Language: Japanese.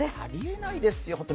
ありえないですよ。